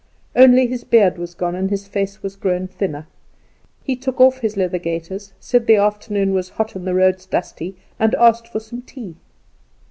Only his beard was gone, and his face was grown thinner. He took off his leather gaiters, said the afternoon was hot and the roads dusty, and asked for some tea.